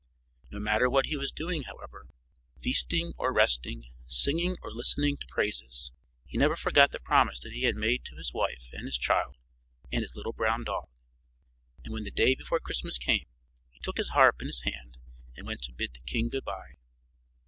No matter what he was doing, however, feasting or resting, singing or listening to praises, he never forgot the promise that he had made to his wife and his child and his little brown dog; and when the day before Christmas came, he took his harp in his hand and went to bid the king good bye.